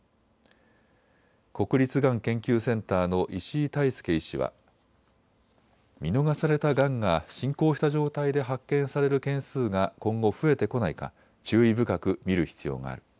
国立がん研究センターの石井太祐医師は見逃されたがんが進行した状態で発見される件数が今後、増えてこないか注意深く見る必要がある。